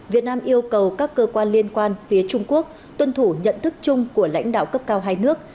việt nam yêu cầu các cơ quan liên quan phía trung quốc tuân thủ nhận thức chung của lãnh đạo cấp cao hai nước